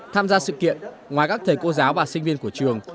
tham gia sự kiện ngoài các thầy cô giáo và sinh viên của trường